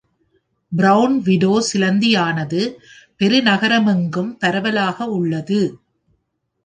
Brown widow சிலந்தியானது பெருநகரமெங்கும் பரவலாக உள்ளது.